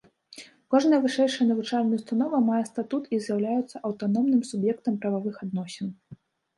Кожная вышэйшая навучальная ўстанова мае статут і з'яўляецца аўтаномным суб'ектам прававых адносін.